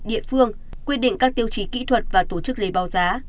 địa phương quy định các tiêu chí kỹ thuật và tổ chức lấy báo giá